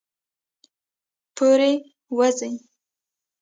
پورې ، وځي